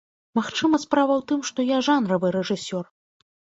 Магчыма справа ў тым, што я жанравы рэжысёр.